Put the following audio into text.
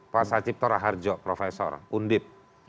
pak sajib toraharjo profesor undip